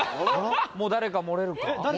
もう誰か漏れるのか？